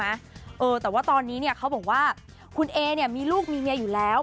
เออแต่ว่าตอนนี้เนี่ยเขาบอกว่าคุณเอเนี่ยมีลูกมีเมียอยู่แล้ว